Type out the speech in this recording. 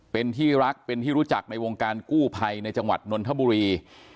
เป็นที่รักเป็นที่รู้จักในวงการกู้ภัยในจังหวัดนนทบุรี